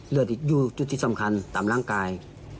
อยู่จุดที่สำคัญตามร่างกาย